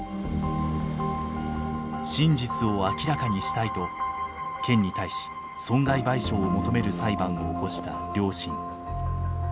真実を明らかにしたいと県に対し損害賠償を求める裁判を起こした両親。